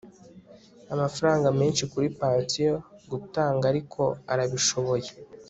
amafaranga menshi kuri pansiyo gutanga ariko arabishoboye